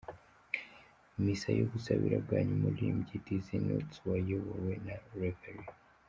Misa yo gusabira bwa nyuma umuririmbyi Dizzy Nutts wayobowe na Rev.